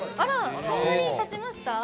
そんなにたちました？